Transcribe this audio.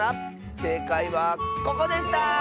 せいかいはここでした！